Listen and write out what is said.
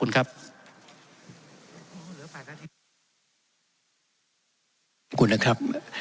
ขอบคุณครับ